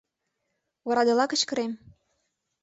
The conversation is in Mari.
Орадыла кычкырем: